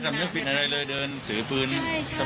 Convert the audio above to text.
เพราะเขารู้จักคนเยอะกว่าเรา